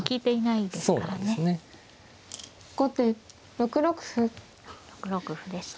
６六歩でした。